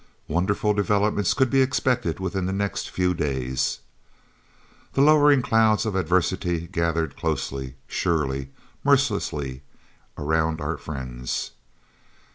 Wonderful developments could be expected within the next few days. The lowering clouds of adversity gathered closely, surely, mercilessly, around our friends.